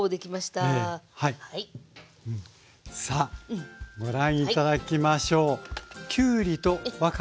さあご覧頂きましょう。